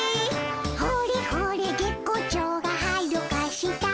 「ほれほれ月光町がはるか下」